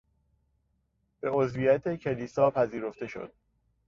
به عضویت کلیسا پذیرفته شد.